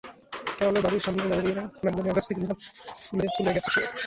ক্যারলের বাড়ির সামনের ম্যাগনোলিয়া গাছ সাদা নীলাভ ফুলে ফুলে গেছে ছেয়ে।